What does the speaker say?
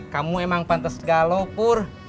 kamu emang pantes galau pur